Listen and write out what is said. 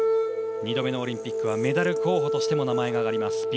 ２度目のオリンピックはメダル候補としても名前が挙がります